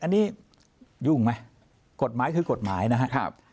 นี่ยุ่งมั้ยกฎหมายคือกฎหมายนะครับ